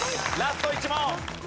ラスト１問。